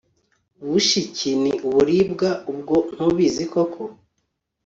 ubushiki ni uburibwa ubwo ntubizi koko